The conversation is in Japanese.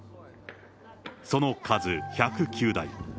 その数１０９台。